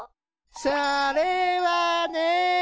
それはね。